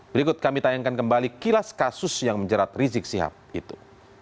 berikut kami tayangkan kembali kilas kasus yang menjerat rizik sihab itu